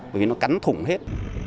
bởi vì nó cắn thủng hết